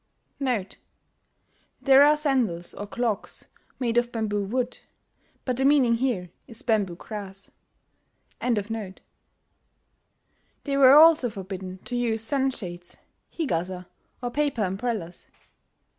* [*There are sandals or clogs made of bamboo wood, but the meaning here is bamboo grass.] They were also forbidden to use sun shades hi gasa or paper umbrellas....